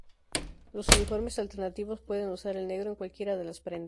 Los uniformes alternativos pueden usar el negro en cualquiera de las prendas.